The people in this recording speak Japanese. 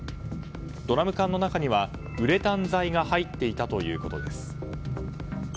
ドラム缶の中にはウレタン材が入っていたということです。